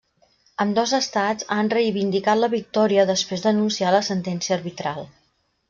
Ambdós estats han reivindicat la victòria després d'anunciar la sentència arbitral.